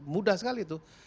mudah sekali itu